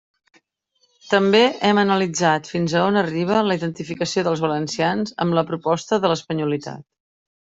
També hem analitzat fins a on arriba la identificació dels valencians amb la proposta de l'espanyolitat.